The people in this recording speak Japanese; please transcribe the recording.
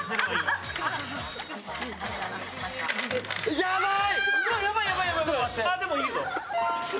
やばい！